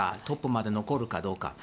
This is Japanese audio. トップまで残るかどうか。